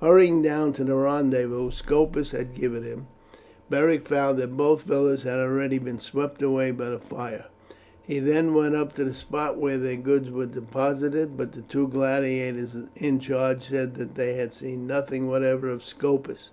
Hurrying down to the rendezvous Scopus had given him, Beric found that both villas had already been swept away by the fire. He then went up to the spot where their goods were deposited, but the two gladiators in charge said that they had seen nothing whatever of Scopus.